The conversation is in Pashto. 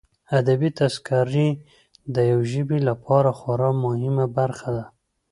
ادبي تذکرې د یوه ژبې لپاره خورا مهمه برخه ده.